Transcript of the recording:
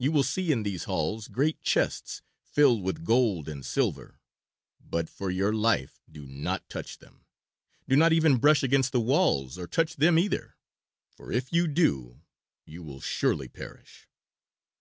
You will see in these halls great chests filled with gold and silver, but for your life do not touch them; do not even brush against the walls or touch them either, for if you do you will surely perish.